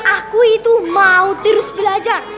aku itu mau terus belajar